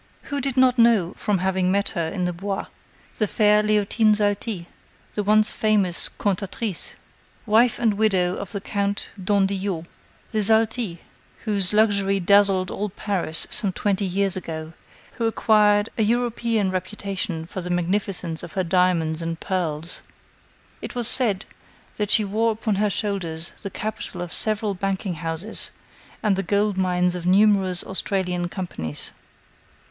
Who did not know from having met her in the Bois the fair Léotine Zalti, the once famous cantatrice, wife and widow of the Count d'Andillot; the Zalti, whose luxury dazzled all Paris some twenty years ago; the Zalti who acquired an European reputation for the magnificence of her diamonds and pearls? It was said that she wore upon her shoulders the capital of several banking houses and the gold mines of numerous Australian companies.